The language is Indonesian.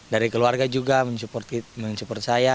dari keluarga juga men support saya